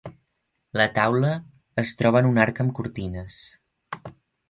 La taula es troba en un arc amb cortines.